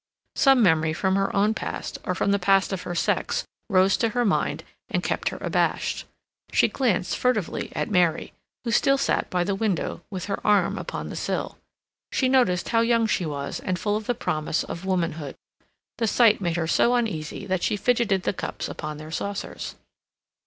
Some memory from her own past or from the past of her sex rose to her mind and kept her abashed. She glanced furtively at Mary, who still sat by the window with her arm upon the sill. She noticed how young she was and full of the promise of womanhood. The sight made her so uneasy that she fidgeted the cups upon their saucers.